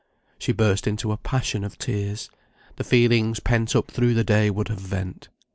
She burst into a passion of tears. The feelings pent up through the day would have vent.